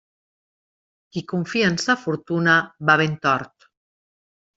Qui confia en sa fortuna va ben tort.